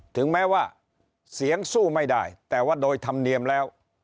ถึงแม้ว่าเสียงสู้ไม่ได้แต่ว่าโดยธรรมเนียมแล้ว